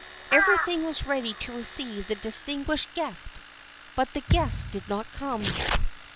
Everything was ready to receive the distinguished guest but the guest did not come.